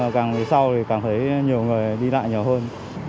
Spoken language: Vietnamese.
càng về sau thì cảm thấy nhiều người đi lại nhiều hơn